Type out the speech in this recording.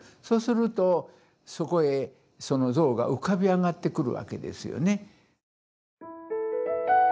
そうするとそこへその像が浮かび上がってくるわけですよね。